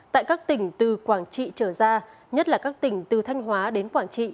tại các tỉnh từ quảng trị trở ra nhất là các tỉnh từ thanh hóa đến quảng trị